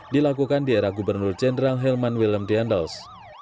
dilakukan di era gubernur jenderal helman william dendels